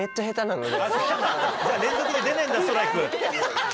じゃ連続で出ねえんだストライク。